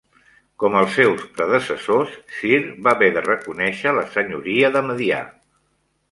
Com els seus predecessors, Cir va haver de reconèixer la senyoria de Medià.